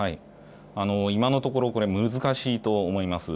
今のところ、これ、難しいと思います。